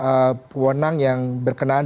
rawan terhadap adanya pemenang yang berkenaan